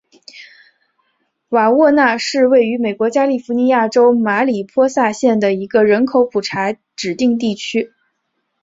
瓦沃纳是位于美国加利福尼亚州马里波萨县的一个人口普查指定地区。